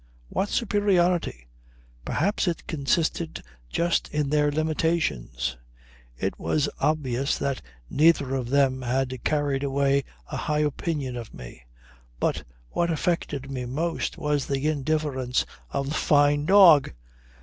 What superiority? Perhaps it consisted just in their limitations. It was obvious that neither of them had carried away a high opinion of me. But what affected me most was the indifference of the Fyne dog.